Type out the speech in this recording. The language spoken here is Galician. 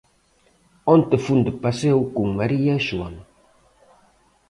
Onte fun de paseo con María e Xoán.